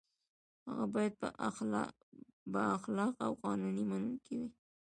هغه باید با اخلاقه او قانون منونکی وي.